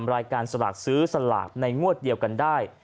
รายการสลากซื้อสลากในงวดเดียวกันได้